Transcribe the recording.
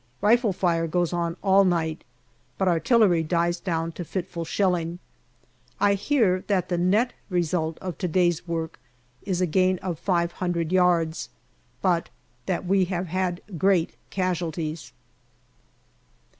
Rifle fire goes on all night, but artillery dies down to fitful shelling. I hear that the net result of to day's work is a gain of five hundred yards, but that we have had great casualties.